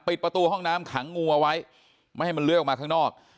ประตูห้องน้ำขังงูเอาไว้ไม่ให้มันเลื้อยออกมาข้างนอก